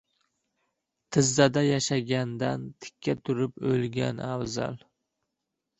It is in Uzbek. • Tizzada yashagandan tikka turib o‘lgan afzal.